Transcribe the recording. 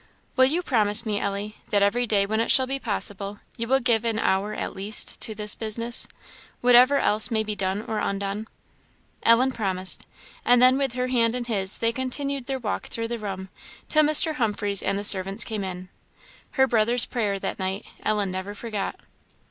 "Will you promise me, Ellie, that every day when it shall be possible, you will give an hour at least to this business, whatever else may be done or undone?" Ellen promised; and then with her hand in his they continued their walk through the room till Mr. Humphreys and the servants came in. Her brother's prayer that night Ellen never forgot.